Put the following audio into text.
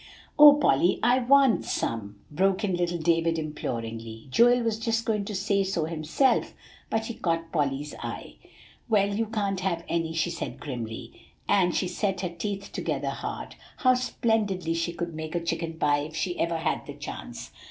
"O Polly! I want some, I do," broke in little David imploringly. Joel was just going to say so himself, but he caught Polly's eye. "Well, you can't have any," she said grimly. And she set her teeth together hard. How splendidly she could make a chicken pie if she ever had the chance!